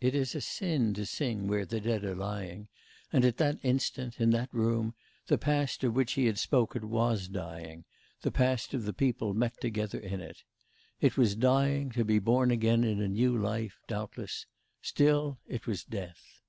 It is a sin to sing where the dead are lying: and at that instant, in that room, the past of which he had spoken was dying, the past of the people met together in it. It was dying to be born again in a new life doubtless still it was death.